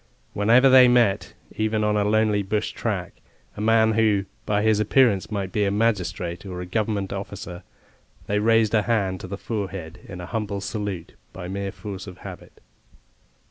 Whenever they met, even on a lonely bush track, a man who, by his appearance might be a magistrate or a Government officer, they raised a hand to the forehead in a humble salute by mere force of habit.